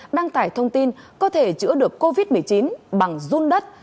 đăng tải thông tin có thể chữa được covid một mươi chín bằng run đất